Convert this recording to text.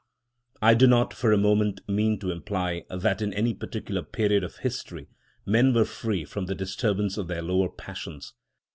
I do not for a moment mean to imply that in any particular period of history men were free from the disturbance of their lower passions.